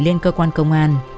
lên cơ quan công an